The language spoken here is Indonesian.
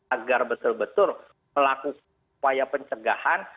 agar betul betul melakukan upaya pencegahan